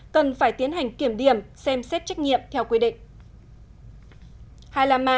cần phải tiến hành kiểm điểm xem xét trách nhiệm theo quy định